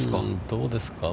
どうですか？